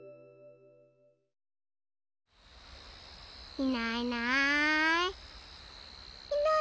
いないいない。